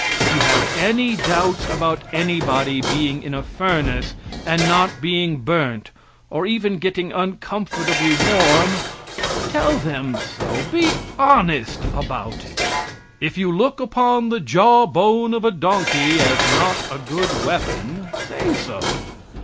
If you have any doubts about anybody being in a furnace and not being burnt, or even getting uncomfortably warm, tell them so be honest about it. If you look upon the jaw bone of a donkey as not a good weapon, say so.